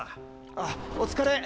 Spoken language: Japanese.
あお疲れ！